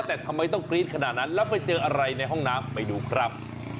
แต่ทำไมต้องกรี๊ดขนาดนั้นแล้วไปเจออะไรในห้องน้ำไปดูครับ